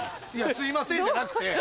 「すいません」じゃなくて。